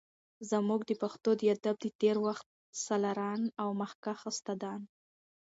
زمونږ د پښتو د ادب د تیر وخت سالاران او مخکښ استادان